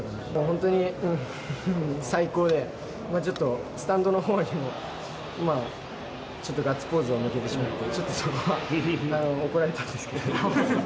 本当に最高で、ちょっとスタンドのほうにも、ちょっとガッツポーズを向けてしまって、ちょっとそこは怒られたんですけど。